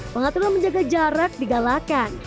pengaturan menjaga jarak digalakan